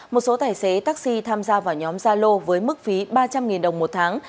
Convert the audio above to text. một số tài xế taxi tham gia vào nhóm gia lô với mức phí ba trăm linh đồng một tháng